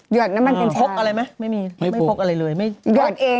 อดน้ำมันกันพกอะไรไหมไม่มีไม่พกอะไรเลยไม่หยอดเอง